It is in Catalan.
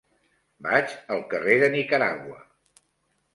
Vaig al carrer de Nicaragua.